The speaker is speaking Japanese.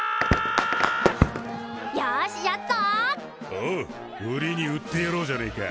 おう売りに売ってやろうじゃねえか。